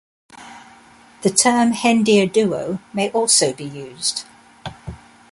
The term hendiaduo may also be used.